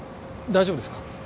大丈夫ですか？